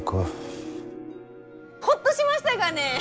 ホッとしましたがね！